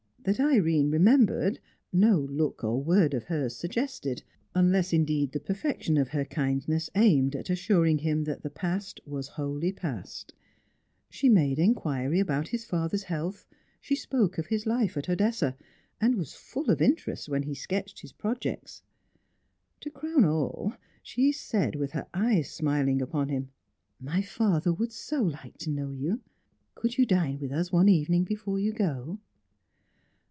That Irene remembered, no look or word of hers suggested; unless, indeed, the perfection of her kindness aimed at assuring him that the past was wholly past. She made inquiry about his father's health; she spoke of his life at Odessa, and was full of interest when he sketched his projects. To crown all, she said, with her eyes smiling upon him: "My father would so like to know you; could you dine with us one evening before you go?"